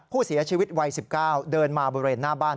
ผู้เสียชีวิตวัย๑๙เดินมาบริเวณหน้าบ้าน